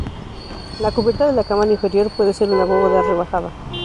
La cubierta de la cámara inferior pudo ser una bóveda rebajada.